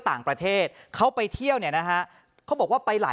ต่างประเทศเขาไปเที่ยวเนี่ยนะฮะเขาบอกว่าไปหลาย